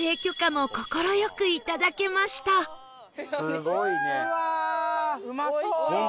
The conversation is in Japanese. すごいね。